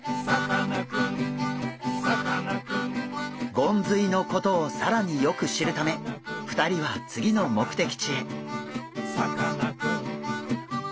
ゴンズイのことを更によく知るため２人は次の目的地へ。